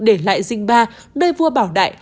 để lại dinh ba đời vua bảo đại